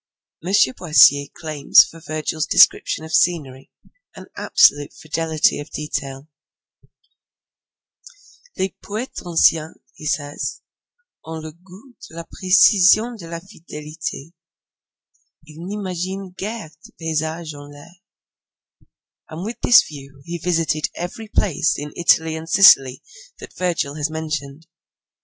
M. Boissier claims for Virgil's descriptions of scenery an absolute fidelity of detail. 'Les poetes anciens,' he says, 'ont le gout de la precision et de la fidelite: ils n'imaginent guere de paysages en l'air,' and with this view he visited every place in Italy and Sicily that Virgil has mentioned.